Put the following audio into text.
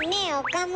岡村。